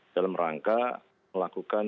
dalam rangka melakukan